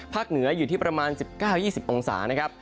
เหนืออยู่ที่ประมาณ๑๙๒๐องศานะครับ